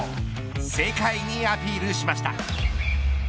世界にアピールしました。